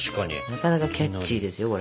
なかなかキャッチーですよこれ。